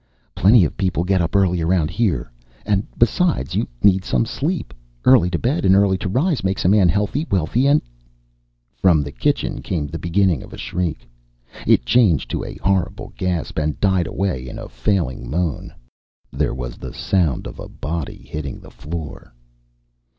"Plenty of people get up early around here. And besides, you need some sleep. Early to bed and early to rise, makes a man healthy, wealthy and " From the kitchen came the beginning of a shriek. It changed to a horrible gasp, and died away in a failing moan. There was the sound of a body hitting the floor.